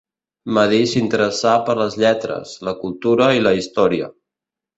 Medir s'interessà per les lletres, la cultura i la història.